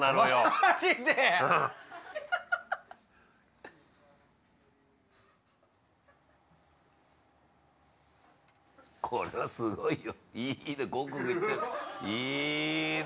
マジでこれはすごいよいいね